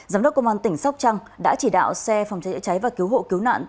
giám đốc công an tỉnh sóc trăng đã chỉ đạo xe phòng cháy chữa cháy và cứu hộ cứu nạn